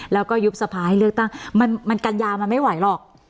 แล้วก็ยุบสภาให้เลือกตั้งมันกัญญามันไม่ไหวหรอก